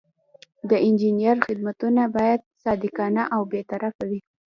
د انجینر خدمتونه باید صادقانه او بې طرفه وي.